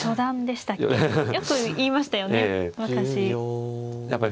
よくいいましたよね昔。